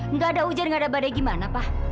enggak ada hujan enggak ada badai gimana pa